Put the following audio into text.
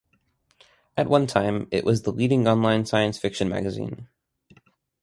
At one time, it was the leading online science fiction magazine.